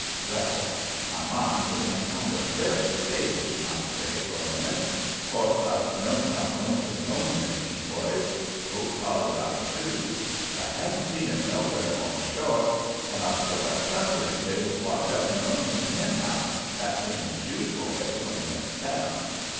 Well, my mind was in a kind of various state, as you might say, for a minute. 'Course, I'd known about Lonesome's owning them decoys told Todd about 'em, too but I hadn't seen 'em nowhere alongshore, and I sort of cal'lated they was locked up in Lonesome's hen house, that being his usual way when he went to town.